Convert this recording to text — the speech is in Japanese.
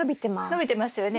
伸びてますよね。